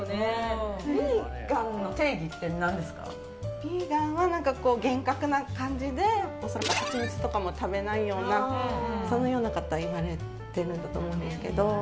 ヴィーガンは厳格な感じでお魚とかも食べないようなそのような方が言われてると思うんですけど。